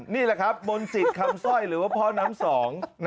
นี่แหละครับมนต์สิทธิ์คำสร้อยหรือว่าพ่อน้ำสอง